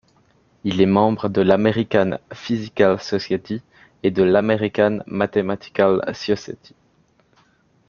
Il est membre de l'American Physical Society et de l'American Mathematical Society.